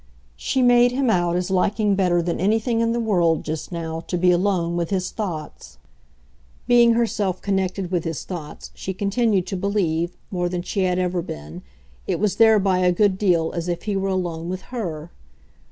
She made him out as liking better than anything in the world just now to be alone with his thoughts. Being herself connected with his thoughts, she continued to believe, more than she had ever been, it was thereby a good deal as if he were alone with HER.